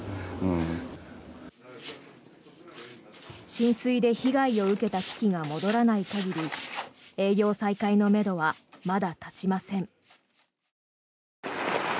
浸水で被害を受けた機器が戻らない限り営業再開のめどはまだ立ちません。